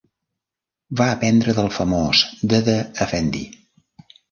Va aprendre del famós Dede Efendi.